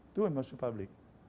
itu emosi publik